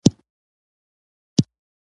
دا یو کس ته د شرم بد احساس ورکوي.